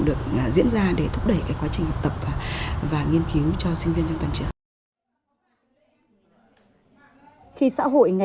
được diễn ra để thúc đẩy cái quá trình học tập và nghiên cứu cho sinh viên trong toàn trường